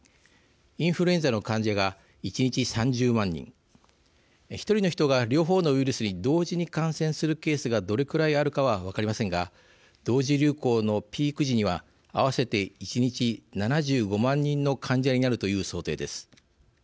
インフルエンザの患者が１日３０万人１人の人が両方のウイルスに同時に感染するケースがどれくらいあるかは分かりませんが同時流行のピーク時には合わせて１日７５万人の患者になるという想定です。